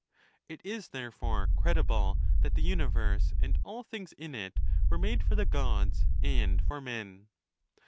It is therefore credible that the universe, and all things in it, were made for the Gods and for men.